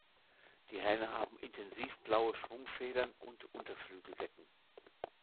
Die Hähne haben intensiv blaue Schwungfedern und Unterflügeldecken.